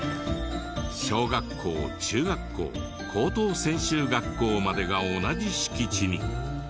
小学校中学校高等専修学校までが同じ敷地に。